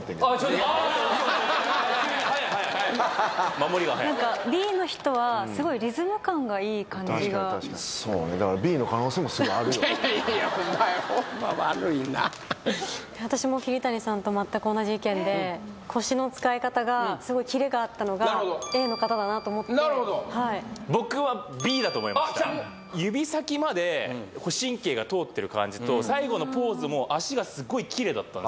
っ早い早い早い守りが早いＢの人はすごいリズム感がいい感じが確かに確かにそうねだからいやいやいやいやお前ほんま悪いな私も桐谷さんと全く同じ意見で腰の使い方がすごいキレがあったのがＡの方だなと思ってなるほど僕はＢだと思いましたあっきた指先まで神経が通ってる感じと最後のポーズも足がすごいきれいだったんですよ